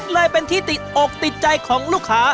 เลยเป็นที่ติดอกติดใจของลูกค้า